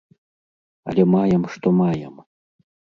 Але маем што маем.